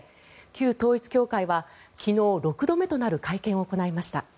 旧統一教会は昨日、６度目となる会見を行いました。